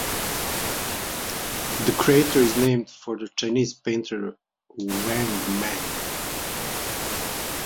The crater is named for the Chinese painter Wang Meng.